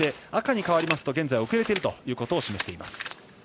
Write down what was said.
赤になりますと現在遅れているということを示しています。